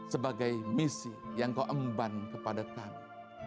sebagai misi yang kau emban kepada kami